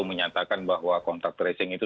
menyatakan bahwa kontak tracingnya